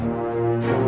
nah mungkin ini